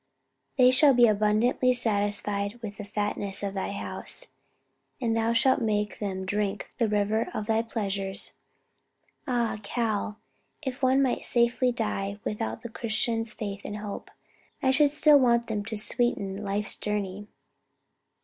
'They shall be abundantly satisfied with the fatness of thy house; and thou shalt make them drink of the river of thy pleasures.' Ah, Cal, if one might safely die without the Christian's faith and hope, I should still want them to sweeten life's journey."